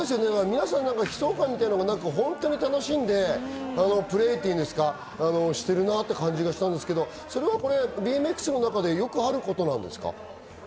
皆さん悲壮感とかなく、ほんとに楽しんでプレーしている感じがしたんですけど、それはＢＭＸの中でよくあることなんですか？